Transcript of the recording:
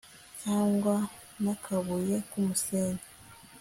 cyangwa n'akabuye k'umusenyi